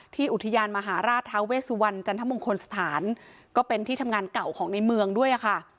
อุทยานมหาราชทาเวสวันจันทมงคลสถานก็เป็นที่ทำงานเก่าของในเมืองด้วยค่ะ